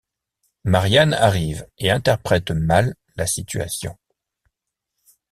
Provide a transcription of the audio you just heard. Marianne arrive et interprète mal la situation.